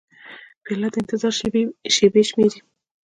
پیاله د انتظار شېبې شمېري.